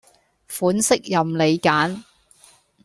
款式任你揀